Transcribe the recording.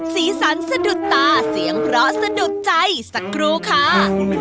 สีสันสะดุดตาเสียงเพราะสะดุดใจสักครู่ค่ะ